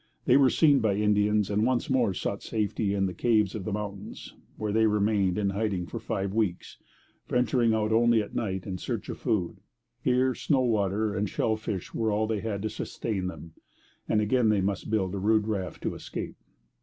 They were seen by Indians, and once more sought safety in the caves of the mountains, where they remained in hiding for five weeks, venturing out only at night in search of food. Here, snow water and shell fish were all they had to sustain them; and again they must build a rude raft to escape.